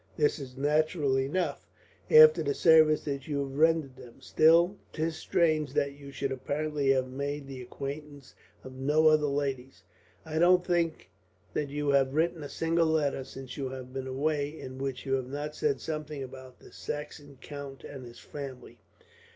That is natural enough, after the service that you have rendered them. Still, 'tis strange that you should apparently have made the acquaintance of no other ladies. I don't think that you have written a single letter, since you have been away, in which you have not said something about this Saxon count and his family.